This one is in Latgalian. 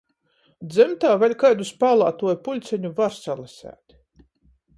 Dzymtā vēļ kaidu spālātuoju puļceņu var salaseit.